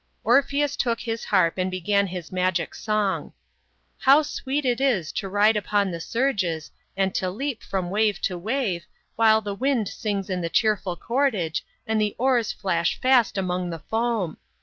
" Orpheus took his harp and began his magic song :"* How sweet it is to ride upon the surges, and to leap from wave to wave, while the wind sings in the cheerful cordage and the oars flash fast among the foam